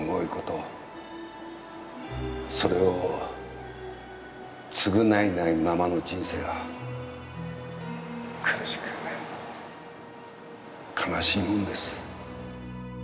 それを償えないままの人生は苦しく悲しいもんです。